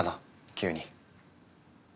急に。